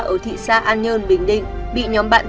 ở thị xã an nhơn bình định bị nhóm bạn